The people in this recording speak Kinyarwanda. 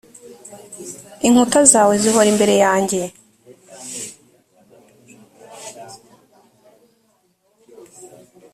inkuta zawe zihora imbere yanjye